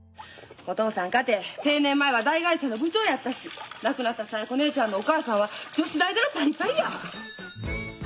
お父さんかて定年前は大会社の部長やったし亡くなったさえこ姉ちゃんのお母さんは女子大出のパリパリや！